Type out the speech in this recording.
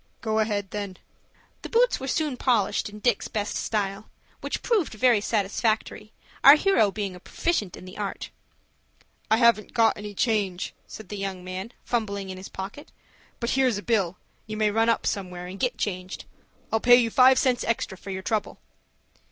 "Go ahead, then." The boots were soon polished in Dick's best style, which proved very satisfactory, our hero being a proficient in the art. "I haven't got any change," said the young man, fumbling in his pocket, "but here's a bill you may run somewhere and get changed. I'll pay you five cents extra for your trouble."